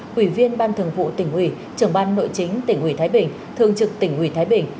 quỷ viên ban thường vụ tỉnh ủy trưởng ban nội chính tỉnh ủy thái bình thường trực tỉnh ủy thái bình